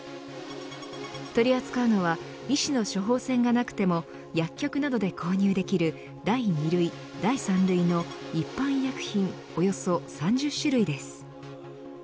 取り扱うのは医師の処方箋がなくても薬局などで購入できる第２類第３類の一般医薬品およそ３０種類です。